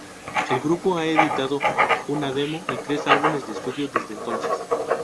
El grupo ha editado una demo y tres álbumes de estudio desde entonces.